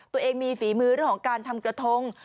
ตัวเองมีฝีมือเรื่องของการทำกระทง